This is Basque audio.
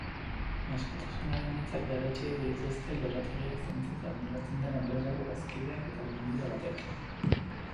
Akusatuaren hitzak berretsi dituzte lorategiak zaintzeaz arduratzen den enpresako bazkideak eta langile batek.